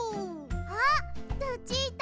あっルチータ